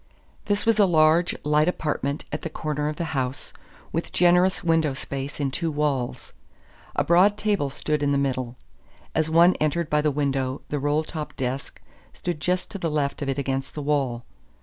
This was a large, light apartment at the corner of the house, with generous window space in two walls. A broad table stood in the middle. As one entered by the window the roll top desk stood just to the left of it against the wall.